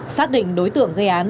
xác định đối tượng gây án